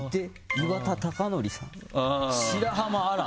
岩田剛典さん、白濱亜嵐